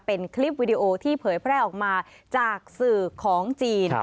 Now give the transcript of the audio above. เป็นคลิปวิดีโอที่เผยแพร่ออกมาจากสื่อของจีน